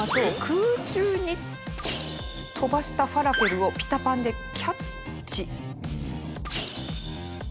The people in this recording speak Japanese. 空中に飛ばしたファラフェルをピタパンでキャッチ。